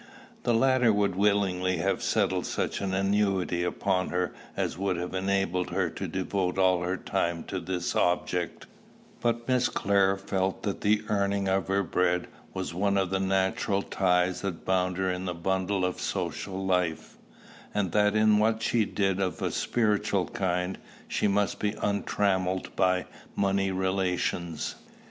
The latter would willingly have settled such an annuity upon her as would have enabled her to devote all her time to this object; but Miss Clare felt that the earning of her bread was one of the natural ties that bound her in the bundle of social life; and that in what she did of a spiritual kind, she must be untrammelled by money relations.